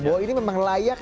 bahwa ini memang layak